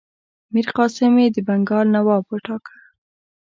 میرقاسم یې د بنګال نواب وټاکه.